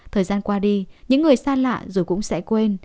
thời gian qua đi những người xa lạ rồi cũng sẽ quên